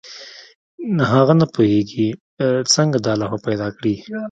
هغه نه پوهېږي څنګه دا لوحه پیدا کړي.